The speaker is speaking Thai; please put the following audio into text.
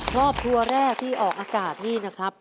ครอบครัวแรกที่ออกอากาศนี่นะครับ